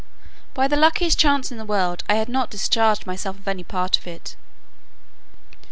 By the luckiest chance in the world, I had not discharged myself of any part of it.